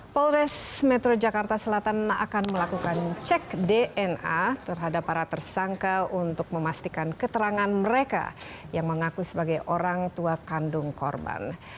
polres metro jakarta selatan akan melakukan cek dna terhadap para tersangka untuk memastikan keterangan mereka yang mengaku sebagai orang tua kandung korban